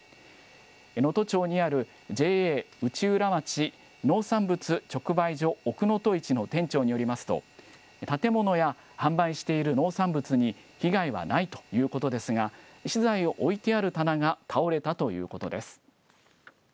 能登町にあるＪＡ内浦町農産物直売所おくのといちの店長によりますと、建物や販売している農産物に被害はないということですが、資材を置いてある棚が倒れたということです。